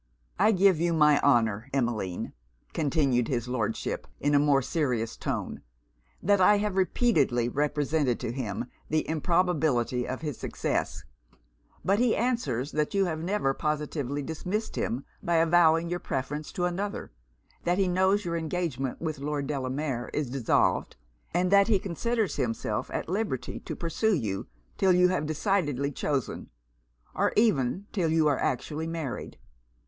I give you my honour, Emmeline,' continued his Lordship, in a more serious tone, 'that I have repeatedly represented to him the improbability of his success; but he answers that you have never positively dismissed him by avowing your preference to another; that he knows your engagement with Lord Delamere is dissolved, and that he considers himself at liberty to pursue you till you have decidedly chosen, or even till you are actually married.